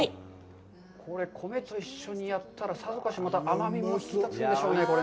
米と一緒にやったら、さぞかし甘みも引き立つんでしょうね。